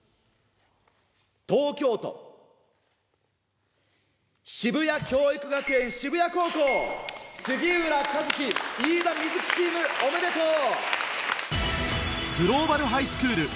東京都渋谷教育学園渋谷高校杉浦和月・飯田瑞生チームおめでとう！